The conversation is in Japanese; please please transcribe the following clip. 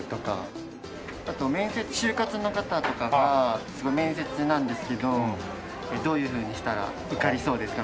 あと就活の方とかが「面接なんですけどどういうふうにしたら受かりそうですか？」